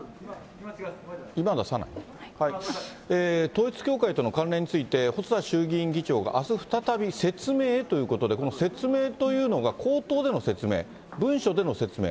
統一教会との関連について細田衆議院議長があす、再び説明へということで、この説明というのが、口頭での説明、文書での説明？